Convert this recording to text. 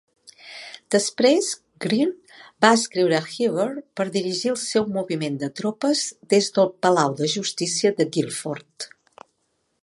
Després, Greene va escriure a Huger per dirigir el seu moviment de tropes des del Palau de Justícia de Guilford.